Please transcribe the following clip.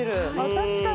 確かに。